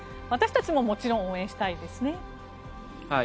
私たちももちろん応援したいですね。